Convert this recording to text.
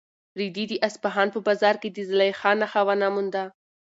رېدي د اصفهان په بازار کې د زلیخا نښه ونه مونده.